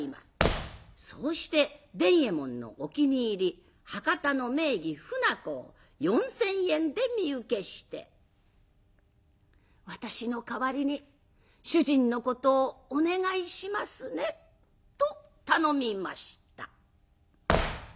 そうして伝右衛門のお気に入り博多の名妓ふなこを４，０００円で身請けして「私の代わりに主人のことをお願いしますね」と頼みました。